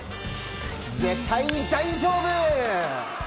絶対に大丈夫！